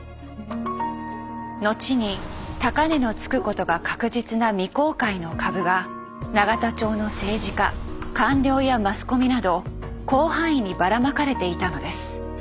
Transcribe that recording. のちに高値のつくことが確実な未公開の株が永田町の政治家官僚やマスコミなど広範囲にばらまかれていたのです。